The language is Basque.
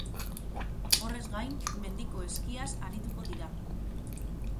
Horrez gain, mendiko eskiaz arituko dira.